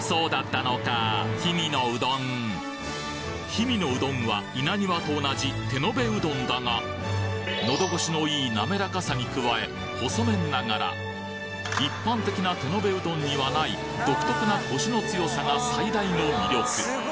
氷見のうどんは稲庭と同じ手延べうどんだが喉越しのいい滑らかさに加え細麺ながら一般的な手延べうどんにはない独特なコシの強さが最大の魅力